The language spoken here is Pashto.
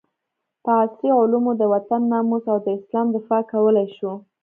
په عصري علومو د وطن ناموس او د اسلام دفاع کولي شو